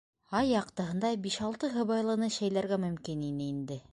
Ай яҡтыһында биш-алты һыбайлыны шәйләргә мөмкин ине инде.